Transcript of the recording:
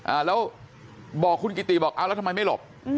อ่าแล้วบอกคุณกิติบอกเอาแล้วทำไมไม่หลบ